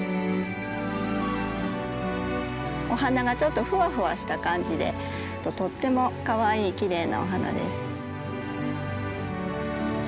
お花がちょっとふわふわした感じでとってもかわいいきれいなお花です。